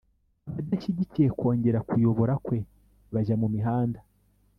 Abadashyigikiye kongera kuyobora kwe bajya mu mihanda